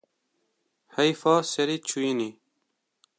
Heyfa serê çûyînê